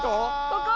ここ。